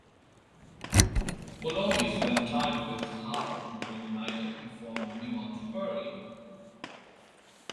Moloney spent time with Hartlepool United before moving on to Bury.